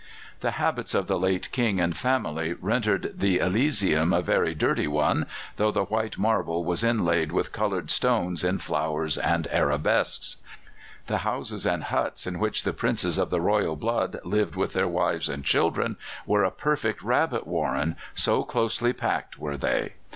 The habits of the late King and family rendered that elysium a very dirty one, though the white marble was inlaid with coloured stones in flowers and arabesques. The houses and huts in which the Princes of the royal blood lived with their wives and children were a perfect rabbit warren, so closely packed were they.